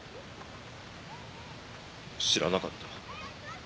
知らなかった。